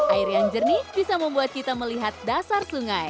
air yang jernih bisa membuat kita melihat dasar sungai